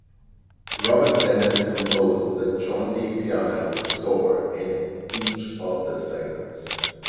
Robert Dennis composed the jaunty piano score in each of the segments.